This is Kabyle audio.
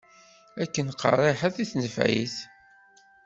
Akken qerriḥit i nefɛit.